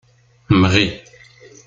Mɣi.